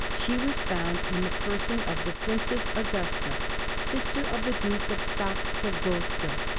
She was found in the person of the Princess Augusta, sister of the Duke of Saxe Gotha.